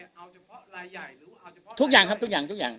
เอาเฉพาะรายใหญ่หรือว่าเอาเฉพาะทุกอย่างครับทุกอย่างทุกอย่าง